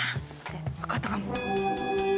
分かったかも。